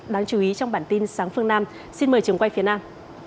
đáng chú ý trong bản tin sáng phương nam xin mời trường quay phía nam